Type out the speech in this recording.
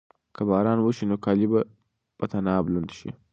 که باران وشي نو کالي به په طناب لوند شي.